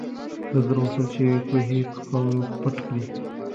بزګر غوښتل چې کوهی په خاورو پټ کړي.